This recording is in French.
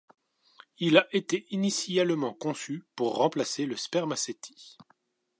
Il a été initialement conçu pour remplacer le spermaceti.